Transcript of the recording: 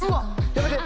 やめて！